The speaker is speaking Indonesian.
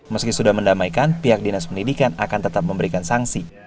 meski sudah mendamaikan pihak dinas pendidikan akan tetap memberikan sanksi